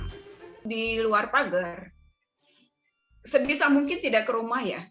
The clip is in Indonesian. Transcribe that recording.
di luar pagar sebisa mungkin tidak ke rumah ya